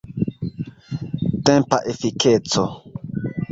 Tempa efikeco.